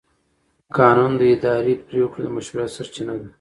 قانون د اداري پرېکړو د مشروعیت سرچینه ده.